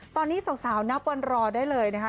ตอนนี้สาวนับวันรอได้เลยนะคะ